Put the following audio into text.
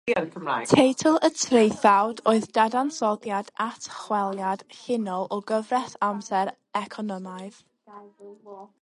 Teitl y traethawd oedd "Dadansoddiad atchweliad llinol o gyfres amser economaidd".